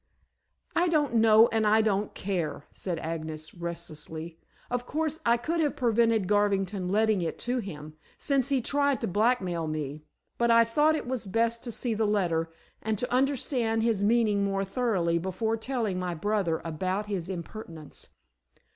"I don't know, and I don't care," said Agnes restlessly. "Of course I could have prevented Garvington letting it to him, since he tried to blackmail me, but I thought it was best to see the letter, and to understand his meaning more thoroughly before telling my brother about his impertinence.